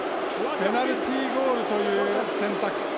ペナルティーゴールという選択。